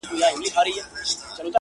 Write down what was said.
• په کاله کی یې لوی کړي ځناور وي -